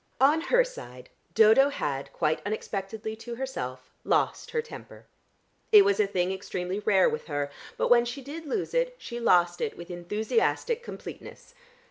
On her side Dodo had (quite unexpectedly to herself) lost her temper. It was a thing extremely rare with her, but when she did lose it, she lost it with enthusiastic completeness.